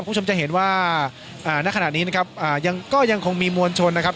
คุณผู้ชมจะเห็นว่าณขณะนี้นะครับอ่ายังก็ยังคงมีมวลชนนะครับ